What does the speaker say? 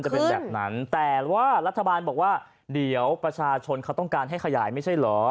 จะเป็นแบบนั้นแต่ว่ารัฐบาลบอกว่าเดี๋ยวประชาชนเขาต้องการให้ขยายไม่ใช่เหรอ